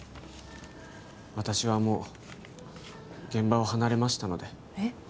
私はもう現場を離れましたのでえっ！？